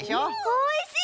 おいしい！